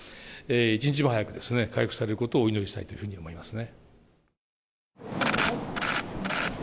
一日も早く回復されることをお祈りしたいというふうに思いますね。